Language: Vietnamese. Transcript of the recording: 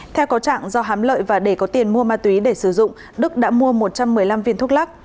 theo có trạng do hám lợi và để có tiền mua ma túy để sử dụng đức đã mua một trăm một mươi năm viên thuốc lắc